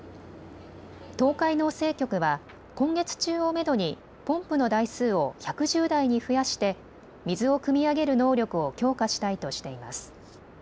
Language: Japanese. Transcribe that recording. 東海農政局は今月中をめどにポンプの台数を１１０台に増やして水をくみ上げる能力を強化したいとしています。